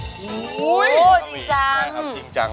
อู้หัวจริงจัง